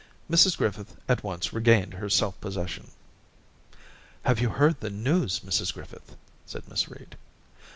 Mrs Griffith at once regained her self possession. * Have you heard the news, Mrs Griffith ?' said Miss Reed.